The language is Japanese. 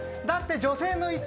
だって女性の